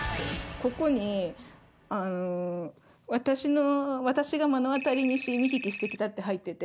ここに「わたしが目の当たりし、見聞きしてきた」って入ってて